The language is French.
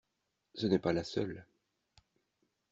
Ce n’est pas la seule.